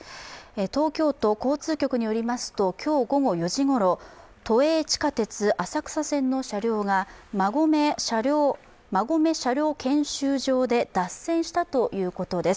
東京都交通局によりますと今日午後４時ごろ、都営地下鉄浅草線の車両が馬込車両検修場で脱線したということです。